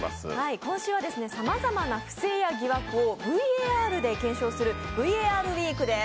今週はさまざまな不正や疑惑をＶＡＲで検証するＶＡＲウイークです。